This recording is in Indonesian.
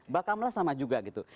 bahkan malah sama juga gitu